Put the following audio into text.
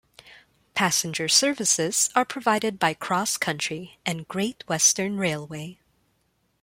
Passenger services are provided by CrossCountry and Great Western Railway.